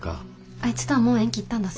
あいつとはもう縁切ったんだす。